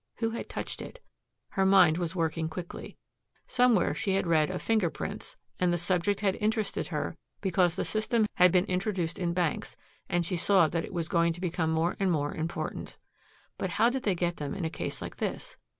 Who had touched it? Her mind was working quickly. Somewhere she had read of finger prints and the subject had interested her because the system had been introduced in banks and she saw that it was going to become more and more important. But how did they get them in a case like this?